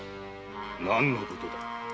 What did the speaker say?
何のことだ？